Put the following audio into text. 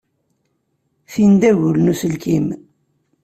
Tin d agul n uselkim.